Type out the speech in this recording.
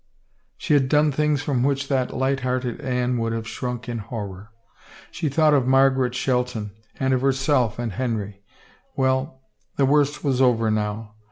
.,. She had done things from which that light hearted Anne would have shrunk in horror. She thought of Margaret Shelton ... and of herself and Henry. ... Well, the worst was over now.